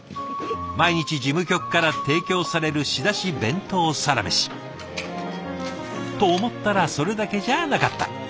毎日事務局から提供される仕出し弁当サラメシ。と思ったらそれだけじゃなかった。